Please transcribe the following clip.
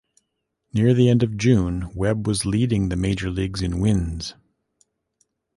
Near the end of June, Webb was leading the major leagues in wins.